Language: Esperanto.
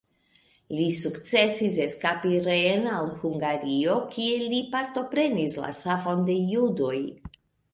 Li sukcesis eskapi reen al Hungario kie li partoprenis la savon de judoj.